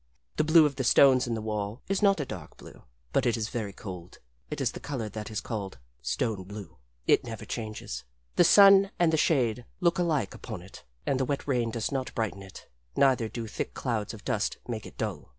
The blue of the stones in the wall is not a dark blue, but it is very cold. It is the color that is called stone blue. It never changes. The sun and the shade look alike upon it; and the wet rain does not brighten it; neither do thick clouds of dust make it dull.